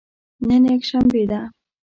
نن یکشنبه ده